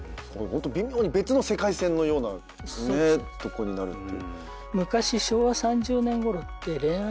微妙に別の世界線のようなねとこになるっていう。